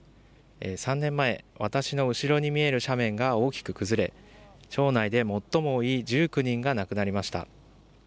３年前、私の後ろに見える斜面が大きく崩れ、町内で最も多い１９人が亡くなりました。